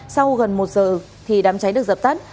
sau gần một giờ thì đám cháy được dập tắt